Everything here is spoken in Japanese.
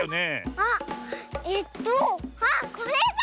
あっえっとあっこれだ！